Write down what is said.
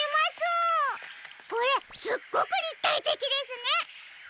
これすっごくりったいてきですね！